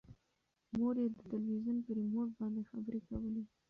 مور یې د تلویزون په ریموټ باندې خبرې کولې.